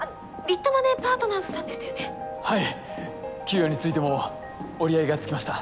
給与についても折り合いがつきました。